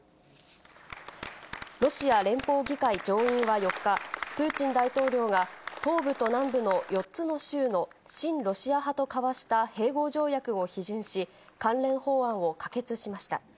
ロシア連邦議会上院は４日、プーチン大統領が東部と南部の４つの州の親ロシア派と交わした併合条約を批准し、関連法案を可決しました。